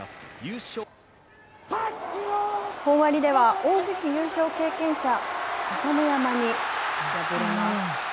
本割では、大関優勝経験者、朝乃山に敗れます。